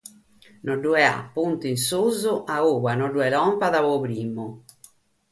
Non b’at puntu in susu chi non nche bàrighet a primu.